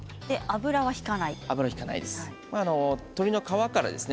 油は引かないです。